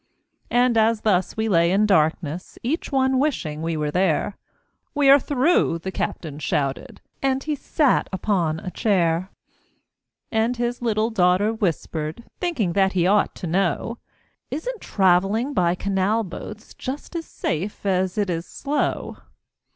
And as thus we lay in darkness, Each one wishing we were there, "We are through!" the captain shouted, And he sat upon a chair. And his little daughter whispered, Thinking that he ought to know, "Isn't travelling by canal boats Just as safe as it is slow?"